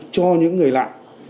cho những người lạ